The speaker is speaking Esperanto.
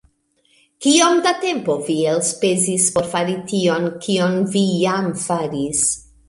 Kiom da tempo vi elspezis por fari tion, kion vi jam faris?